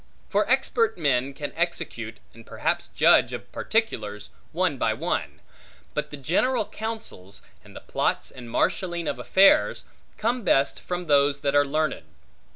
For expert men can execute, and perhaps judge of particulars, one by one; but the general counsels, and the plots and marshalling of affairs, come best, from those that are learned.